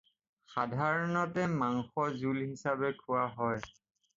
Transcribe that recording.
সাধাৰণতে মাংস জোল হিচাপে খোৱা হয়।